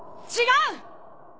違う！